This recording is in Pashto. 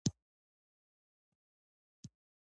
د شبرغان ګاز کومو ولایتونو ته ځي؟